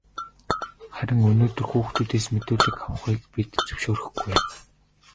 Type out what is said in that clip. Харин өнөөдөр хүүхдээс мэдүүлэг авахыг бид зөвшөөрөхгүй.